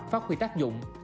phát huy tác dụng